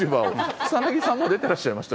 草さんも出てらっしゃいましたよね？